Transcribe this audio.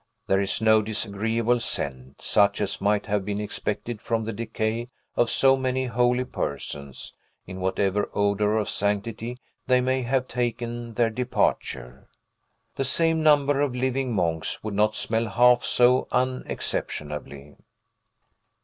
There is no disagreeable scent, such as might have been expected from the decay of so many holy persons, in whatever odor of sanctity they may have taken their departure. The same number of living monks would not smell half so unexceptionably.